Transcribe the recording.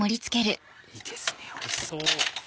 いいですねおいしそう。